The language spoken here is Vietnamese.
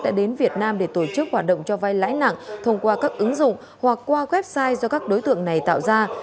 đã đến việt nam để tổ chức hoạt động cho vai lãi nặng thông qua các ứng dụng hoặc qua website do các đối tượng này tạo ra